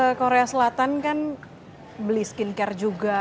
kalau kita ke korea selatan kan beli skincare juga